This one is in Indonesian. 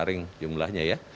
saring jumlahnya ya